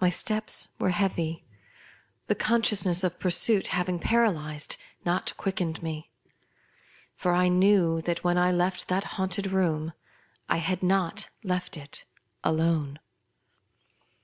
My steps were heavy, the consciousness of pursuit having paralyzed not quickened me ; for I knew that when I left that haunted room I had not left it alone.